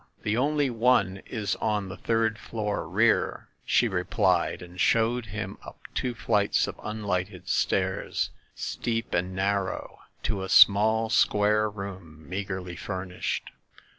"The only one is on the third floor rear," she re plied, and showed him up two flights of unlighted stairs, steep and narrow, to a small square room, meagerly furnished.